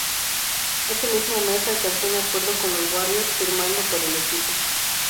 Ese mismo mes alcanzó un acuerdo con los Warriors, firmando por el equipo.